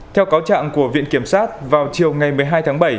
theo cáo trạng của viện kiểm sát vào chiều ngày một mươi hai tháng bảy